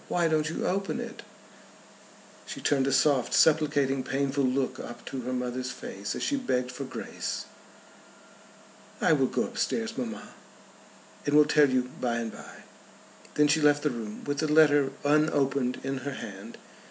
"Why don't you open it?" She turned a soft supplicating painful look up to her mother's face as she begged for grace. "I will go up stairs, mamma, and will tell you by and by." Then she left the room with the letter unopened in her hand.